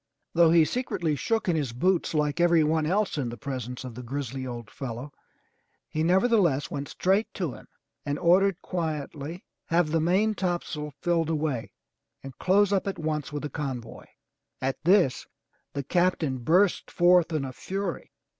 Though he secretly shook in his boots like every one else in the presence of the grizzly old fellow, he nevertheless went straight to him and ordered quietly: "Have the maintopsail filled away, and close up at once with the convoy." At this the Captain burst forth in a fury.